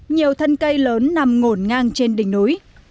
nhiều thân cây lớn nằm ngổn ngang trên đỉnh núi